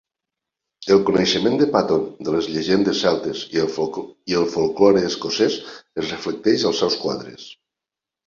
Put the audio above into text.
El coneixement de Paton de les llegendes celtes i el folklore escocès es reflecteix als seus quadres.